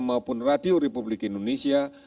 maupun radio republik indonesia